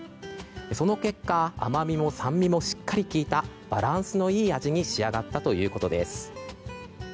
その結果甘みも酸味もしっかり効いたバランスのいい味に仕上がったということです。